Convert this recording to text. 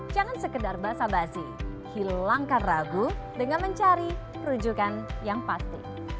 jangan sekedar basa basi hilangkan ragu dengan mencari perujukan yang pasti